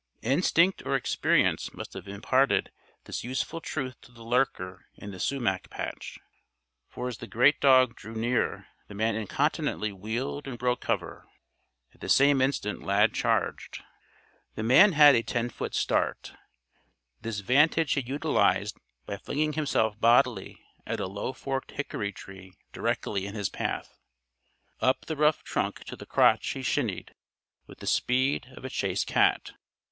Instinct or experience must have imparted this useful truth to the lurker in the sumac patch, for as the great dog drew near the man incontinently wheeled and broke cover. At the same instant Lad charged. The man had a ten foot start. This vantage he utilized by flinging himself bodily at a low forked hickory tree directly in his path. Up the rough trunk to the crotch he shinned with the speed of a chased cat.